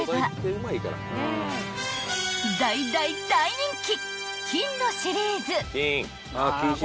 ［大大大人気］